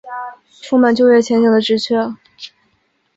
充满就业前景的职缺